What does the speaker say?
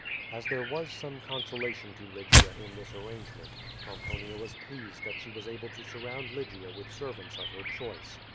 As there was some consolation to Lygia in this arrange ment, Pomponia was pleased that she was able to surround Lygia with servants of her choice.